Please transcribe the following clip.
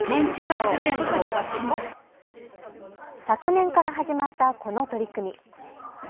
昨年から始まったこの取り組み。